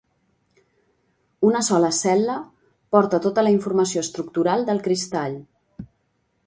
Una sola cel·la porta tota la informació estructural del cristall.